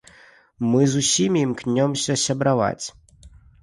Мы з усімі імкнёмся сябраваць.